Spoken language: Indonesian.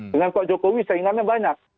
dengan pak jokowi saingannya banyak